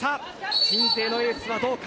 鎮西のエースはどうか。